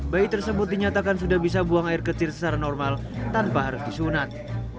bayi tersebut dinyatakan sudah bisa buang air kecil secara normal tanpa harus disunat